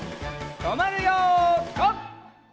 とまるよピタ！